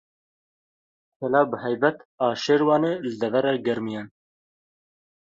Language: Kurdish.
Kela bi heybet a Şêrwanê li devera Germiyan.